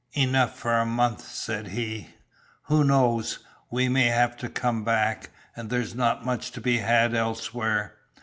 "Enough for a month," said he, "who knows, we may have to come back, and there's not much to be had elsewhere."